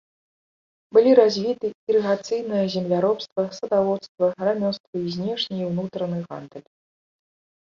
Былі развіты ірыгацыйнае земляробства, садаводства, рамёствы, знешні і ўнутраны гандаль.